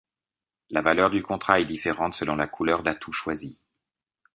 La valeur du contrat est différente selon la couleur d'atout choisie.